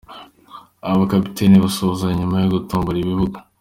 Abakapiteni basuhuzanya nyuma yo gutombola ibibuga.